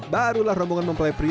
barulah rombongan mempelai pria